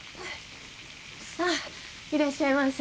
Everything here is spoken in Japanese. ああいらっしゃいませ。